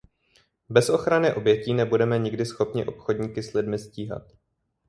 Bez ochrany obětí nebudeme nikdy schopni obchodníky s lidmi stíhat.